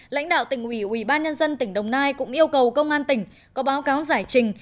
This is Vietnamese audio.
lãnh đạo tỉnh ủy ủy ban nhân dân tỉnh đồng nai cũng yêu cầu công an tỉnh có báo cáo giải trình